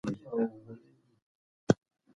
تکنالوژي د کرنې په برخه کې هم کارول کیږي.